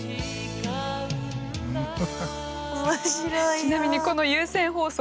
ちなみにこの有線放送